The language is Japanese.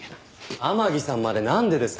天樹さんまでなんでですか。